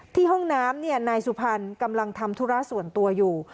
ห้องน้ำนายสุพรรณกำลังทำธุระส่วนตัวอยู่